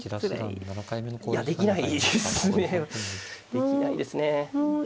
できないですね。